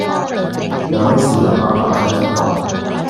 有咩事，留返拜山先講